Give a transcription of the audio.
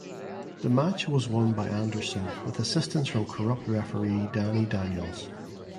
The match was won by Anderson with assistance from corrupt referee Danny Daniels.